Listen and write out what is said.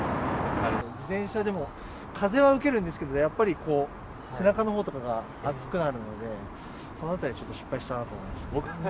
自転車でも風は受けるんですけどやっぱり背中のほうとかが暑くなるのでその辺り、失敗したなと思いました。